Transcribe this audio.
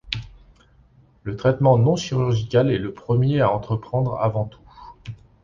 Le traitement non chirurgical est le premier à entreprendre, avant tout.